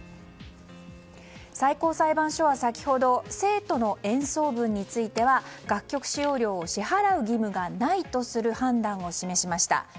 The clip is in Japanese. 最高裁判所は先ほど生徒の演奏分については楽曲使用料を支払う義務がないとする判断を示しました。